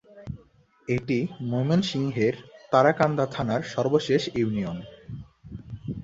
এটি ময়মনসিংহের তারাকান্দা থানার সর্বশেষ ইউনিয়ন।